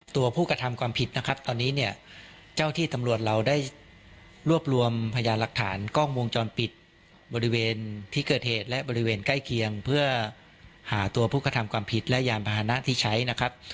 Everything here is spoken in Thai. ตัวผู้กระทำความผิดนะครับตอนนี้เนี่ยเจ้าที่ตำรวจเราได้รวบรวมพยานหลักฐานกล้องวงจรปิดบริเวณที่เกิดเหตุและบริเวณใกล้เคียงเพื่อหาตัวผู้กระทำความผิดและยานพาหนะที่ใช้นะครับ